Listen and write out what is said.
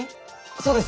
そうです。